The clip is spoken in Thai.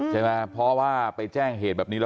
เพราะว่าไปแจ้งเหตุแบบนี้